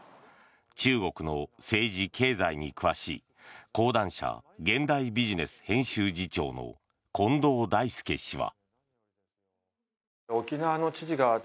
中国の政治経済に詳しい講談社、現代ビジネス編集次長の近藤大介氏は。